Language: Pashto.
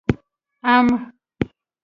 🥭 ام